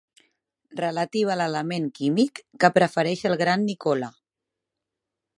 Relativa a l'element químic que prefereix el gran Nicola.